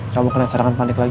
kamu kena serangan panik lagi